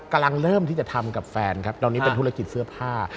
กำลังเริ่มที่จะทำกับแฟนครับตอนนี้เป็นธุรกิจเสื้อผ้า